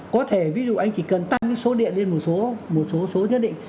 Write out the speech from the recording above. có thể ví dụ anh chỉ cần tăng số điện lên một số một số số nhất định